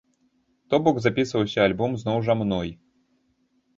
То бок, запісваўся альбом зноў жа мной.